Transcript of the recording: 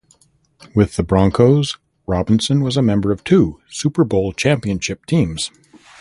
With the Broncos, Robinson was a member of two Super Bowl championship teams.